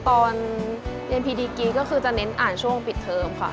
ตอนเรียนพีดีกีก็คือจะเน้นอ่านช่วงปิดเทิมค่ะ